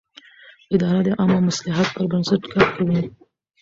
اداره د عامه مصلحت پر بنسټ کار کوي.